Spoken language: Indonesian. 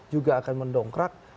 juga akan mendongkrak